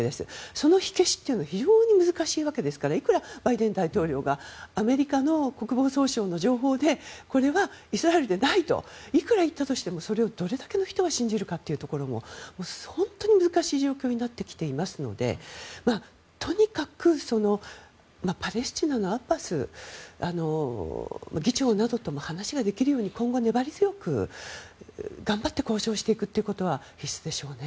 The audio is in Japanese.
その火消しっていうのは非常に難しいわけですからいくらバイデン大統領がアメリカの国防総省の情報でこれはイスラエルでないといくら言ったとしてもそれをどれだけの人が信じるかっていうところも本当に難しい状況になってきていますのでとにかくパレスチナのアッバス議長などとも話ができるように今後粘り強く、頑張って交渉していくということは必須でしょうね。